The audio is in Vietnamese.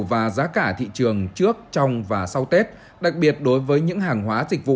và giá cả thị trường trước trong và sau tết đặc biệt đối với những hàng hóa dịch vụ